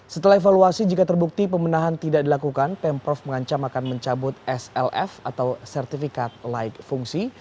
setelah evaluasi jika terbukti pemenahan tidak dilakukan pemprov mengancam akan mencabut slf atau sertifikat laik fungsi